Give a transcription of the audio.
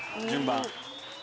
順番。